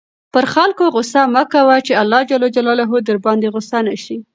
پر خلکو غصه مه کوه چې اللهﷻ درباندې غصه نه شي.